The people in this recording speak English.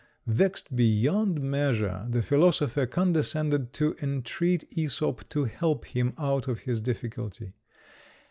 Vexed beyond measure, the philosopher condescended to entreat Æsop to help him out of his difficulty.